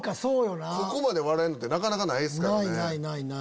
ここまで笑えるのってなかなかないですからね。